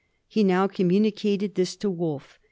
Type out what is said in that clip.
He now communicated this to Wolfe.